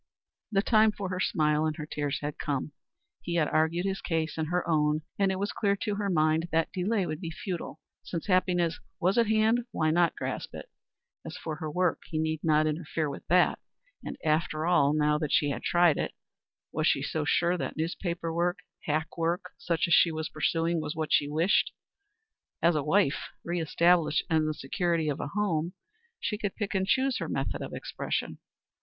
The time for her smile and her tears had come. He had argued his case and her own, and it was clear to her mind that delay would be futile. Since happiness was at hand, why not grasp it? As for her work, he need not interfere with that. And, after all, now that she had tried it, was she so sure that newspaper work hack work, such as she was pursuing, was what she wished? As a wife, re established in the security of a home, she could pick and choose her method of expression.